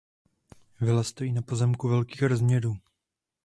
Vila stojí na pozemku velkých rozměrů.